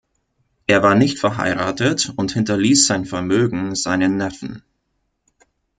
Er war nicht verheiratet und hinterließ sein Vermögen seinen Neffen.